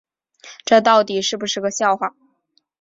这到底是不是个笑话